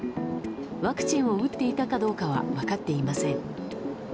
ワクチンを打っていたかどうかは分かっていません。